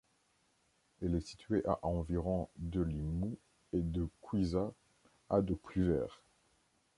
Elle est située à environ de Limoux et de Couiza, à de Puivert.